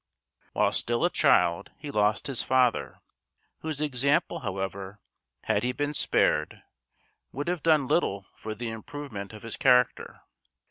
C. While still a child he lost his father, whose example however, had he been spared, would have done little for the improvement of his character.